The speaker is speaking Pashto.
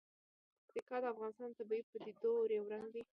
پکتیکا د افغانستان د طبیعي پدیدو یو رنګ دی.